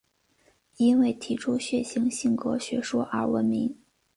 因为提出血型性格学说而闻名。